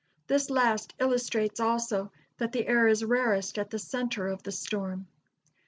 This last illustrates also that the air is rarest at the center of the storm.